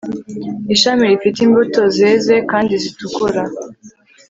Ishami rifite imbuto zeze kandi zitukura